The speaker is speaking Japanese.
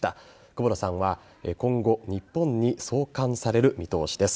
久保田さんは今後日本に送還される見通しです。